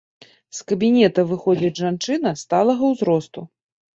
З кабінета выходзіць жанчына сталага ўзросту.